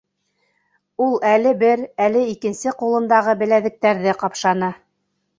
Ул әле бер, әле икенсе ҡулындағы беләҙектәрҙе ҡапшаны.